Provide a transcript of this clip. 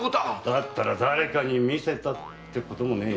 だったら誰かに見せたってこともねえ？